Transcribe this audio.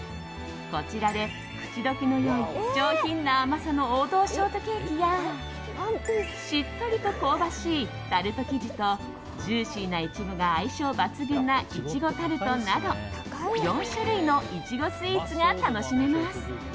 こちらで口溶けのいい上品な甘さの王道ショートケーキやしっとりと香ばしいタルト生地とジューシーなイチゴが相性抜群ないちごタルトなど４種類のイチゴスイーツが楽しめます。